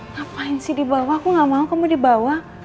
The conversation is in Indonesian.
ngapain sih di bawah aku gak mau kamu dibawa